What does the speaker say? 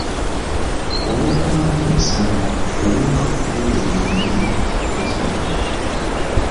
Olw'okubanga nti Nsamba yayonka ku bbeere lye limu ne Kimera.